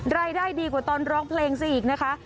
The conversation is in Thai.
รายได้ดีกว่าตอนร้องเพลงซะอีกนะคะ